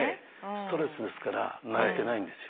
ストレスですから泣いてないんですよ。